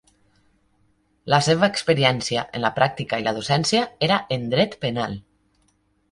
La seva experiència en la pràctica i la docència era en dret penal.